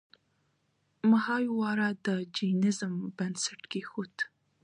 مهایورا د جینیزم بنسټ کیښود.